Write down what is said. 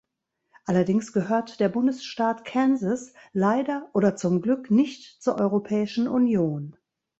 Allerdings gehört der Bundesstaat Kansas, leider oder zum Glück, nicht zur Europäischen Union.